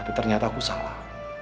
tapi ternyata aku salah